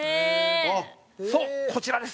そう、こちらです。